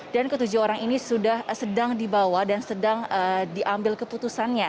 dan ketujuh orang ini sudah sedang dibawa dan sedang diambil keputusannya